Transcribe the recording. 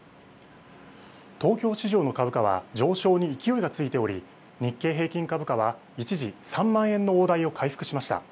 東京市場の株価は上昇に勢いがついており、日経平均株価は一時、３万円の大台を回復しました。